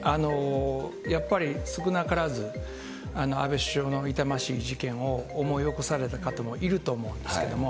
やっぱり少なからず、安倍首相の痛ましい事件を思い起こされた方もいると思うんですけれども。